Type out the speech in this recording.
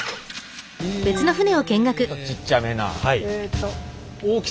ちょっとちっちゃめな。